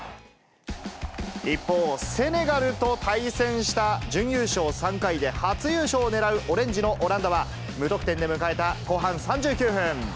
一方、セネガルと対戦した、準優勝３回で初優勝を狙うオレンジのオランダは、無得点で迎えた後半３９分。